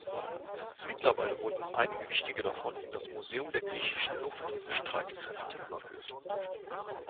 Mittlerweile wurden einige wichtige davon in das Museum der Griechischen Luftstreitkräfte überführt.